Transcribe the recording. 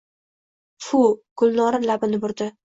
— Fu! — Gulnora labini burdi.